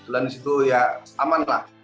dan disitu ya aman lah